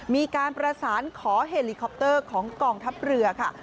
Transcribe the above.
มีการประสานขอเฮลิคอปเตอร์ของกองทัพเรือค่ะ